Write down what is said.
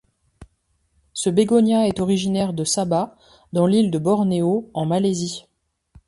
Ce bégonia est originaire de Sabah dans l'île de Borneo, en Malaisie.